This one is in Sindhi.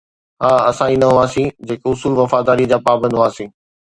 ها، اسان ئي نه هئاسين، جيڪي اصول وفاداريءَ جا پابند هئاسين